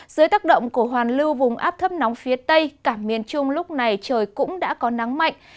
dưới tác động của hoàn lưu vùng áp thấp nóng phía tây cả miền trung lúc này trời cũng đã có nắng mạnh